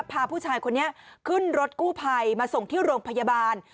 พาผู้ชายคนนี้ขึ้นรถกู้ภัยมาส่งที่โรงพยาบาล